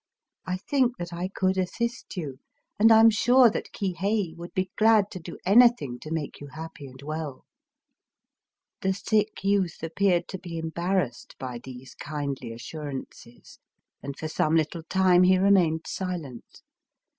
I think that I could assist you; and I am sure that Kihei would be glad to do anything to make you happy and well." Digitized by Googk IKIRYO 31 The sick youth appeared to be embarrassed by these kindly assurances; and for some little time he remained silent.